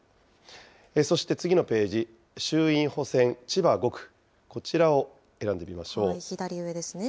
そして次のページ、衆院補選・千葉５区、こちらを選んでみましょ左上ですね。